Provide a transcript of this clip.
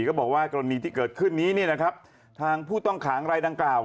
ก็บอกว่ากรณีที่เกิดขึ้นนี้เนี่ยนะครับทางผู้ต้องขังรายดังกล่าว